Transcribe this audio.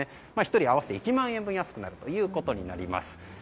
１人合わせて１万円ほど安くなるということになります。